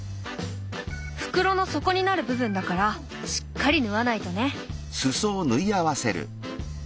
袋の底になる部分だからしっかり縫わないとね。